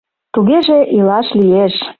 Тугеже, илаш лиеш.